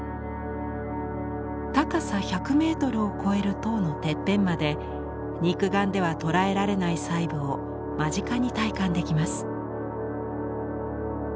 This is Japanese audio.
高さ１００メートルを超える塔のてっぺんまで肉眼では捉えられない細部を間近に体感できます。